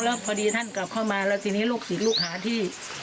แล้วพอดีท่านกลับเข้ามาแล้วทีนี้ลูกศิษย์ลูกหาที่